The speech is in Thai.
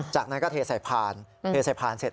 จากนั้นก็เทใส่พานเทใส่พานเสร็จ